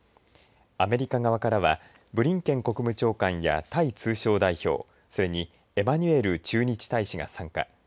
アメリカ側からはブリンケン国務長官やタイ通商代表それにエマニュエル駐日大使が参加。